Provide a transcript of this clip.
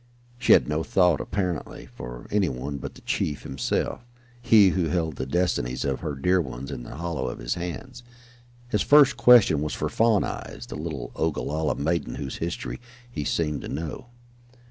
She had no thought, apparently, for anyone but the chief himself, he who held the destinies of her dear ones in the hollow of his hand. His first question was for Fawn Eyes, the little Ogalalla maiden whose history he seemed to know.